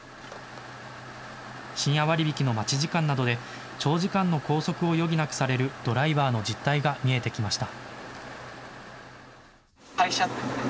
深夜割引の待ち時間などで長時間の拘束を余儀なくされるドライバーの実態が見えてきました。